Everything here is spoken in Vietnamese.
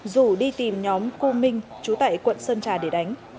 rủ đi tìm nhóm cô minh trú tại quận sơn trà để đánh